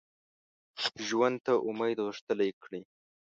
ژوند ته امید غښتلی کړي